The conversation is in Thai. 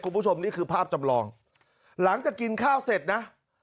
คุณผู้ชมนี่คือภาพจำลองหลังจากกินข้าวเสร็จนะ